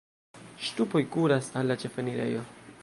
Ŝtupoj kuras al la ĉefenirejo.